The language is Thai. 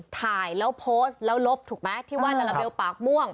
ถ่ายแล้วโพสต์แล้วลบถูกไหมที่ว่าลาลาเบลปากม่วง